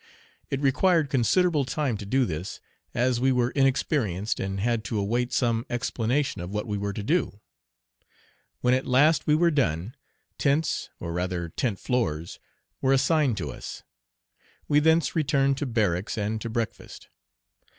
It required considerable time to do this, as we were inexperienced and had to await some explanation of what we were to do. When at last we were done, tents, or rather tent floors, were assigned to us. We thence returned to barracks and to breakfast.